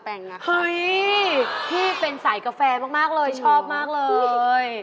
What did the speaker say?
เฮ้ยพี่เป็นสายกาแฟมากเลยชอบมากเลย